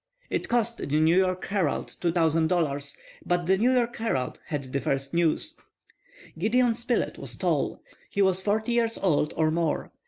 It cost the New York Herald $2,000, but the New York Herald had the first news. Gideon Spilett was tall. He was forty years old or more.